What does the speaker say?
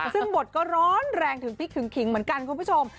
ซึ่งบทก็ร้อนแรงถึงพลิกถึงขิงเหมือนกันคุณผู้ชม